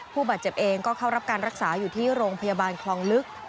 ผู้บาดเจ็บเองก็เข้ารับการรักษาอยู่ที่โรงพยาบาลคลองลึก